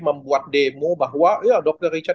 membuat demo bahwa ya dokter richard